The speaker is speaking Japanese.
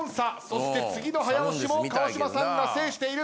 そして次の早押しも川島さんが制している。